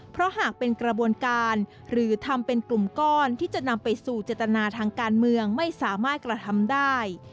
เพราะหากเป็นกระบวนการหรือทำเป็นกลุ่มก้อนที่จะนำไปสู่เจตนาทางการเมืองไม่สามารถกระทำได้